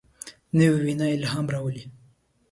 نوې وینا الهام راولي